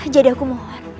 jadi aku mohon